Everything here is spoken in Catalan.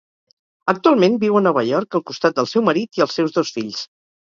Actualment, viu a Nova York al costat del seu marit i els seus dos fills.